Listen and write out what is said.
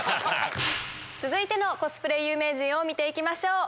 続いてのコスプレ有名人を見て行きましょう。